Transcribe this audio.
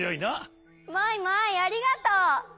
マイマイありがとう！